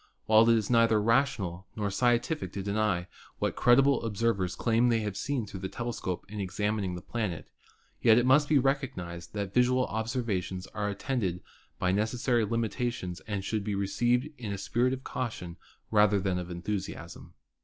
While it is neither rational nor scientific to deny what credible observ ers claim they have seen through the telescope in examin ing the planet, yet it must be recognised that visual obser vations are attended by necessary limitations and should be received in a spirit of caution rather than of enthusiasm.